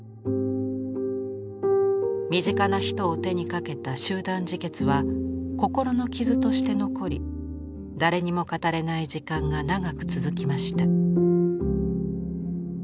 身近な人を手にかけた集団自決は心の傷として残り誰にも語れない時間が長く続きました。